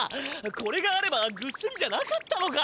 これがあればぐっすりじゃなかったのか？